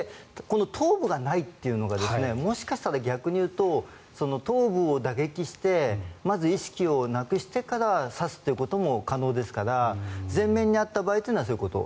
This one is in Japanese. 頭部がないというのがもしかしたら逆に言うと頭部を打撃してまず意識をなくしてから刺すということも可能ですから前面にあった場合というのはそういうこと。